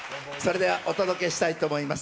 お届けしたいと思います。